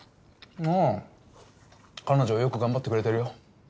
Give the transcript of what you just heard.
ああ彼女よく頑張ってくれてるよ。